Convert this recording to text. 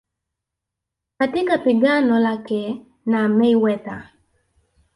katika pigano lake na Mayweather